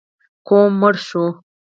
قوم مړ شو.